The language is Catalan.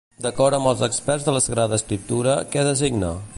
D'acord amb els experts de la Sagrada Escriptura, què designa?